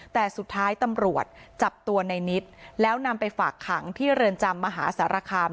แต่สุดท้ายตำรวจจับตัวในนิดแล้วนำไปฝากขังที่เรือนจำมหาสารคาม